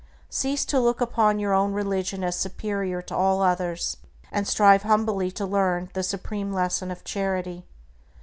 Cease to look upon your own religion as superior to all others, and strive humbly to learn the supreme lesson of charity.